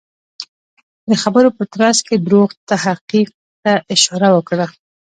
د خبرو په ترڅ کې دروغ تحقیق ته اشاره وکړه.